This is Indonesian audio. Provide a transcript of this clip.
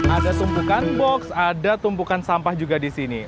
ada tumpukan box ada tumpukan sampah juga di sini